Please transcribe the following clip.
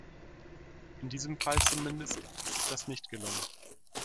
In diesem Fall zumindest ist das nicht gelungen.